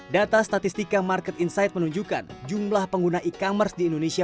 data statistika market insight menunjukkan jumlah pengguna e commerce di indonesia